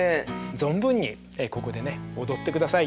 存分にここでね踊ってください。